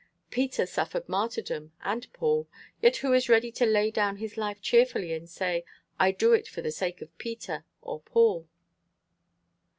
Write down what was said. Peter suffered martyrdom, and Paul; yet who is ready to lay down his life cheerfully and say, 'I do it for the sake of Peter or Paul?'"